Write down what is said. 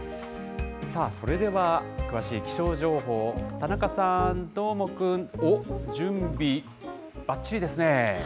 さあ、それでは、詳しい気象情報、田中さん、どーもくん、おっ、準備、ばっちりですね。